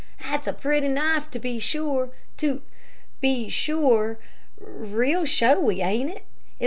"That's a pretty knife, to be sure, to be sure. Real showy, ain't it?